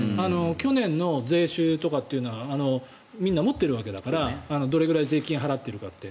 去年の税収とかってみんな持ってるわけだからどれくらい税金を払っているのかって。